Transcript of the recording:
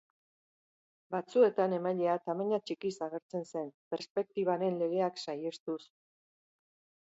Batzuetan emailea tamaina txikiz agertzen zen, perspektibaren legeak saihestuz.